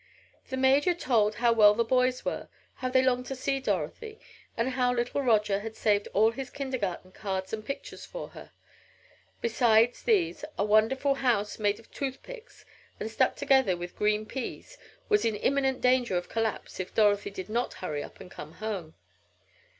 The major told how well the boys were; how they longed to see Dorothy, and how little Roger had saved all his kindergarten cards and pictures for her. Besides these a wonderful house made of toothpicks and stuck together with green peas was in imminent danger of collapse if Dorothy did not hurry up and come home.